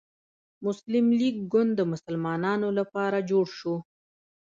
مسلم لیګ ګوند د مسلمانانو لپاره جوړ شو.